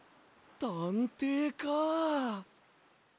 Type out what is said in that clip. たんていか。